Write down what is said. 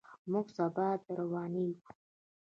موږ سبا درروانېږو.